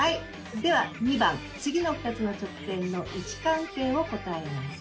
では２番次の２つの直線の位置関係を答えなさい。